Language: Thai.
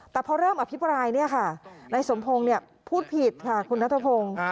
แต่พอเริ่มอภิปรายในสมพงศ์พูดผิดค่ะคุณนัทธพงศ์